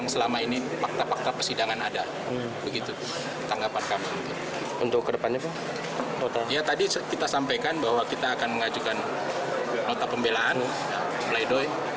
sampai kan bahwa kita akan mengajukan nota pembelan pleidoy